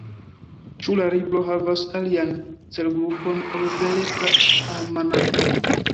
Ĉu la libro havas alian celgrupon ol Beletra Almanako?